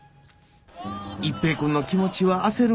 一平君の気持ちは焦る